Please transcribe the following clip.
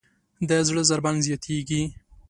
د زړه ضربان زیاتېږي.